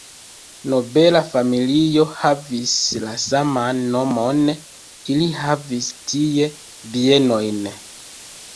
Nobela familio havis la saman nomon, ili havis tie bienojn.